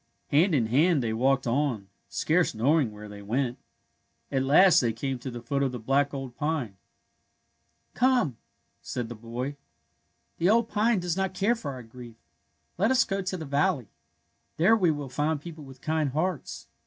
Hand in hand they A CHRISTMAS ROSE 121 walked on, scarce knowing where they went. At last they came to the foot of the black old pine. Come,'' said the boy. '^ The old pine does not care for our grief. Let us go to the valley. There we will find people with kind hearts.